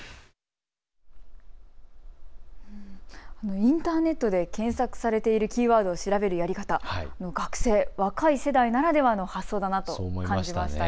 インターネットで検索されているキーワードを調べるやり方、学生、若い世代ならではの発想だなと感じました。